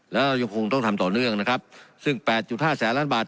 แล้วยังคงต้องทำต่อเนื่องนะครับซึ่ง๘๕แสงล้านบาท